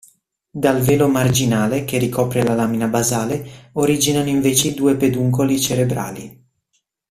Dal velo marginale, che ricopre la lamina basale, originano invece i due "peduncoli cerebrali".